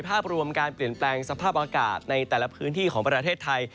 ภาพรวมการเปลี่ยนแปลงสภาพอากาศในแต่ละพื้นที่ของประเทศไทย